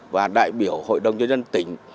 và đại biểu hội đồng doanh nhân tỉnh